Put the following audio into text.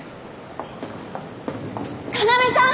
・要さん！